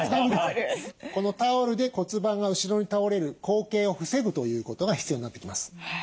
このタオルで骨盤が後ろに倒れる後傾を防ぐということが必要になってきます。